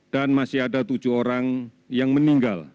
dan masih ada tujuh orang yang meninggal